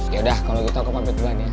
yaudah kalo gitu aku mau ambil tegang ya